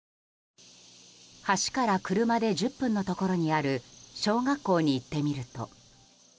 橋から車で１０分のところにある小学校に行ってみると。